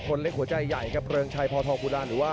คนเล่นหัวใจใหญ่ครับเรืองชัยพอทองพุดาน